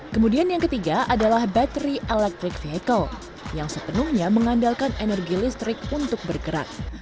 kemudian yang ketiga adalah bateri electric vehicle yang sepenuhnya mengandalkan energi listrik untuk bergerak